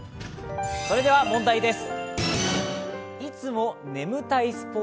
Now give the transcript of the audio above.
それでは問題です。